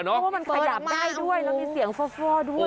เพราะมันขยับได้ด้วยมันมีเสียงฟอร์ด้วย